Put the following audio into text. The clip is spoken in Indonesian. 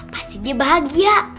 pasti dia bahagia